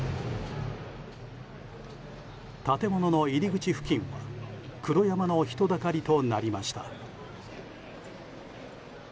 建物の入り口付近は黒山の人だかりとなりました。